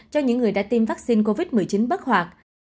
cho những người đã tiêm vaccine covid một mươi chín bất hoạt